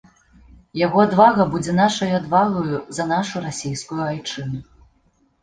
Яго адвага будзе нашаю адвагаю за нашу расійскую айчыну.